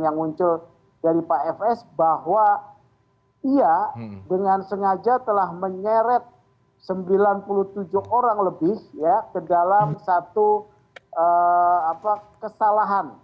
yang muncul dari pak fs bahwa ia dengan sengaja telah menyeret sembilan puluh tujuh orang lebih ke dalam satu kesalahan